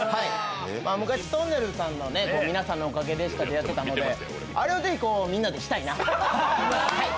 昔、とんねるずさんの「みなさんのおかげでした」でやってたのであれを是非みんなでしたいなと。